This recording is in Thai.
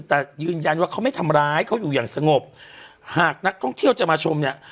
แต่ยืนยันว่าเขาไม่ทำร้ายเขาอยู่อย่างสงบหากนักท่องเที่ยวจะมาชมเนี่ย